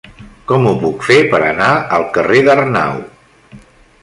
Com ho puc fer per anar al carrer d'Arnau?